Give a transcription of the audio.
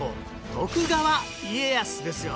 徳川家康ですよ